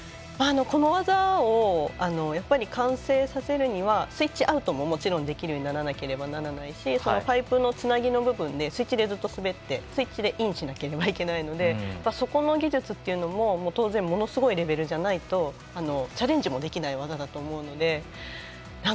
この技を完成させるにはスイッチアウトももちろんできるようにならなきゃならないしパイプのつなぎの部分でずっとスイッチで滑ってスイッチでインしなければいけないのでそこの技術も当然ものすごいレベルじゃないとチャレンジもできない技だと思うので。